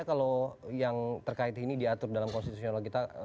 kalau yang terkait ini diatur dalam konstitusional kita